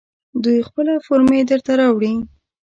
دوی خپله فورمې درته راوړي.